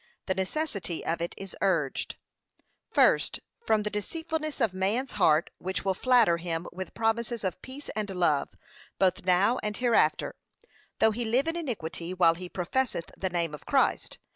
The necessity of it is urged, First, From the deceitfulness of man's heart which will flatter him with promises of peace and life, both now and hereafter, though he live in iniquity while he professeth the name of Christ.